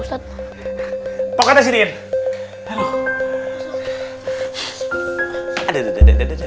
aduh aduh aduh